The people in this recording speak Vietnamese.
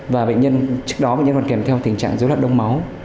và bệnh nhân trước đó còn kèm theo tình trạng dối loạn đông máu